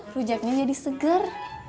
rujaknya jadi seger